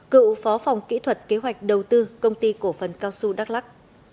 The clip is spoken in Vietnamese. cựu phó phòng kỹ thuật kế hoạch đầu tư công ty cổ phần cao xu đắk lắc